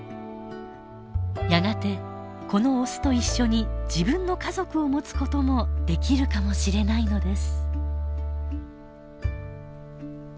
やがてこのオスと一緒に自分の家族を持つこともできるかもしれないのです。